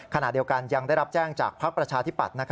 ขณะเดียวกันยังได้รับแจ้งจากภักดิ์ประชาธิปัตย์